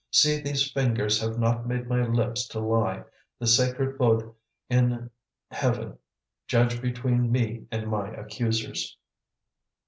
See, these fingers have not made my lips to lie. The sacred Buddh in heaven judge between me and my accusers!"